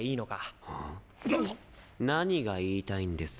ん？っ！何が言いたいんです？